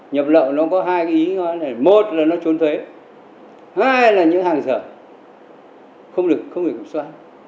nhập lộ có hai ý một là trốn thuế hai là những hàng rở không được cập xoay